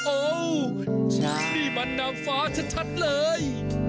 โอ้นี่มันนางฟ้าชัดเลย